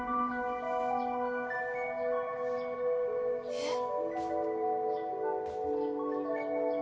えっ？